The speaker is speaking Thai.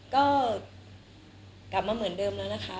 ก็กลับมาเหมือนเดิมแล้วนะคะ